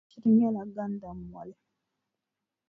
A shiri nyɛla gandammoli.